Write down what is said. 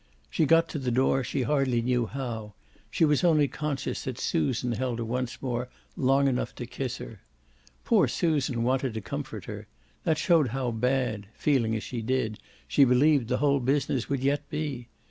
She got to the door she hardly knew how she was only conscious that Susan held her once more long enough to kiss her. Poor Susan wanted to comfort her; that showed how bad feeling as she did she believed the whole business would yet be.